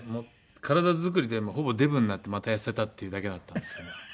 体作りといってもほぼデブになってまた痩せたっていうだけだったんですけども。